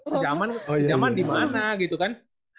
sejaman dimana gitu kan